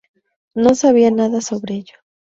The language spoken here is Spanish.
No sabía nada sobre ello.